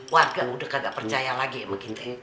warga udah kagak percaya lagi sama kita